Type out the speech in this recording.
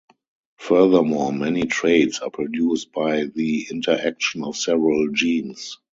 Furthermore, many traits are produced by the interaction of several genes.